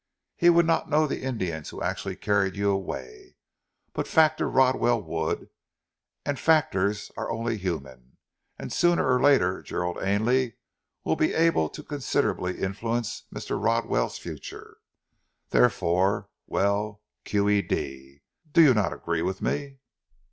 He would not know the Indians who actually carried you away; but Factor Rodwell would, and factors are only human, and sooner or later Gerald Ainley will be able to considerably influence Mr. Rodwell's future. Therefore well, Q.E.D.! Do you not agree with me?"